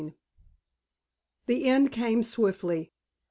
XXII The end came swiftly.